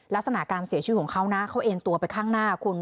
ลักษณะการเสียชีวิตของเขานะเขาเอ็นตัวไปข้างหน้าคุณ